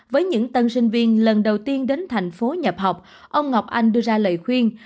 với những tân sinh viên lần đầu tiên đến thành phố nhập học ông ngọc anh đưa ra lời khuyên